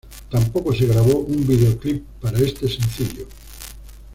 Tampoco se grabó un videoclip para este sencillo.